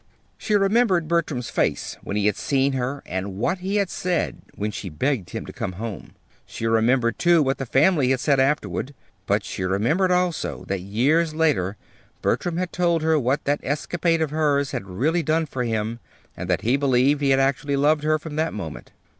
She remembered Bertram's face when he had seen her, and what he had said when she begged him to come home. She remembered, too, what the family had said afterward. But she remembered, also, that years later Bertram had told her what that escapade of hers had really done for him, and that he believed he had actually loved her from that moment.